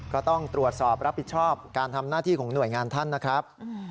ก็ต้องตรวจสอบรับผิดชอบการทำหน้าที่ของหน่วยงานท่านนะครับ